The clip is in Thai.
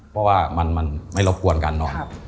เพราะว่ามันไม่รบกวนกันเนอะ